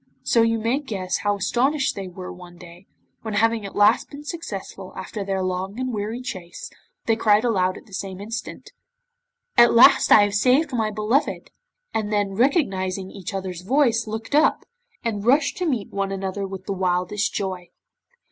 So you may guess how astonished they were one day, when having at last been successful after their long and weary chase, they cried aloud at the same instant: 'At last I have saved my beloved,' and then recognising each other's voice looked up, and rushed to meet one another with the wildest joy.